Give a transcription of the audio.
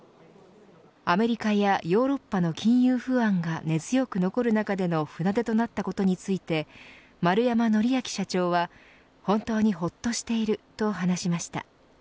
アメリカやヨーロッパの金融不安が根強く残る中での船出となったことについて円山法昭社長は本当にほっとしていると話しました。